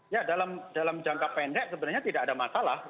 ya dalam jangka pendek sebenarnya tidak ada masalah